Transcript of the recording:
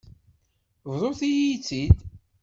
Bḍut-iyi-tt-id.